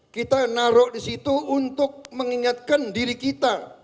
kita naruh di situ untuk mengingatkan diri kita